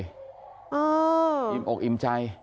อิ่มอกอิ่มใจ